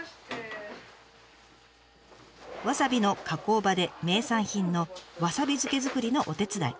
わさびの加工場で名産品のわさび漬け作りのお手伝い。